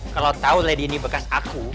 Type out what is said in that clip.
kalau tahu lady ini bekas aku